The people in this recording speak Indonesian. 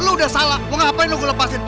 lu udah salah mau ngapain lu gue lepasin